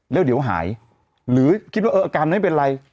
แล้วเดี๋ยวหายหรือคิดว่าเอออาการไม่เป็นไร